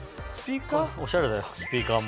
おしゃれだよスピーカーも。